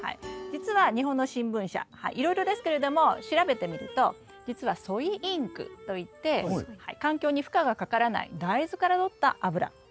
実は日本の新聞社いろいろですけれども調べてみると実はソイインクといって環境に負荷がかからない大豆からとった油で。